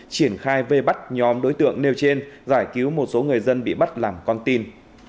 triển khai vây bắt nhóm đối tượng nêu trên giải cứu một số người dân bị bắt làm con tin